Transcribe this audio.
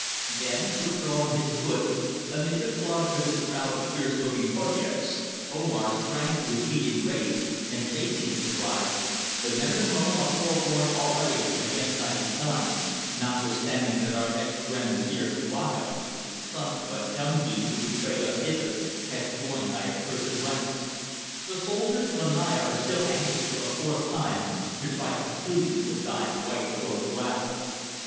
Then withdrawing his foot, amid the plaudits of his crowd of fierce looking courtiers, Omar sprang to his feet in rage, and facing him, cried: "The men of Mo are forewarned already against thy designs, notwithstanding that our ex Grand Vizier Kouaga, the son of a dungheap who betrayed us hither, hath joined thine accursed ranks. The soldiers of the Naya are still anxious for the fourth time to try conclusions with thy white cloaked rabble.